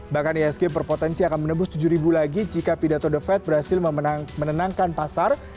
bahkan isg berpotensi akan menembus tujuh lagi jika pidato defat berhasil menenangkan pasar